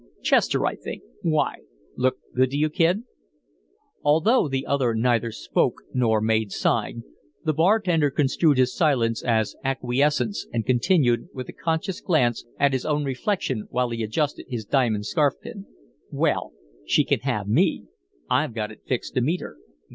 "Chester, I think. Why? Look good to you, Kid?" Although the other neither spoke nor made sign, the bartender construed his silence as acquiescence and continued, with a conscious glance at his own reflection while he adjusted his diamond scarf pin: "Well, she can have ME! I've got it fixed to meet her."